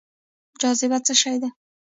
جاذبه څه شی دی؟